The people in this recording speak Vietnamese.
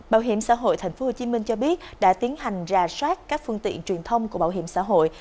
bảo hiểm xã hội tp hcm cho biết đã tiến hành rà soát các phương tiện truyền thông của bảo hiểm xã hội